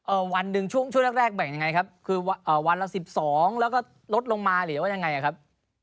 วันหนึ่งช่วงช่วงแรกแรกแบ่งยังไงครับคือเอ่อวันละสิบสองแล้วก็ลดลงมาหรือว่ายังไงอ่ะครับ